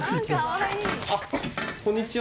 あっこんにちは。